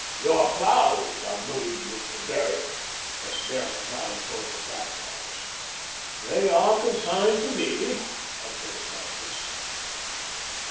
Your ploughs, I believe, Mr. Derrick." S. Behrman nodded toward the flat cars. "They are consigned to me," admitted Magnus.